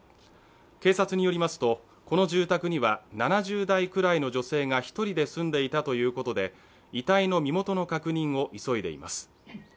警察によりますとこの住宅には７０代くらいの女性が１人で住んでいたということで遺体の身元の確認を急いでいます。